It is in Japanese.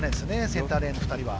センターレーンの２人は。